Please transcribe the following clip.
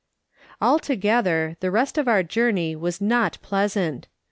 Altogether, the rest of our journey was not plea sant.